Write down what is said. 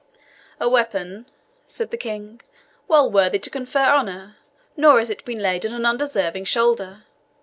"A weapon," said the King, "well worthy to confer honour; nor has it been laid on an undeserving shoulder.